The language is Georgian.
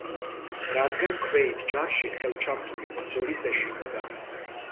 რადგან ქვეით ჯარში ხელჩართული ბრძოლის ეშინოდა.